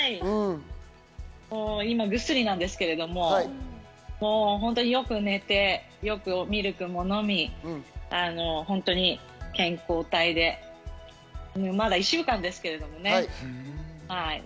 今、ぐっすりなんですけど、本当によく寝て、よくミルクも飲み、本当に健康体でまだ１週間ですけれどもね。